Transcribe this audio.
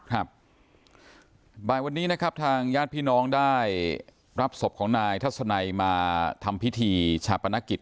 ครับบ่ายวันนี้นะครับทางญาติพี่น้องได้รับศพของนายทัศนัยมาทำพิธีชาปนกิจ